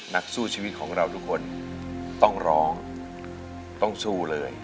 นักสู้ชีวิตของเราทุกคนต้องร้องต้องสู้เลย